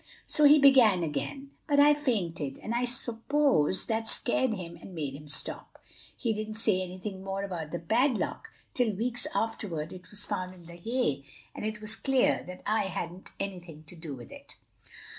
So he began again; but I fainted, and I suppose that scared him and made him stop. He didn't say anything more about the padlock till weeks afterward it was found in the hay, and it was clear that I hadn't anything to do with it."